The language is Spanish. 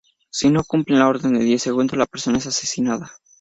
Si no cumple la orden en diez segundos, la persona es asesinada.